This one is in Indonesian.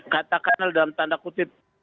katakan dalam tanda kutip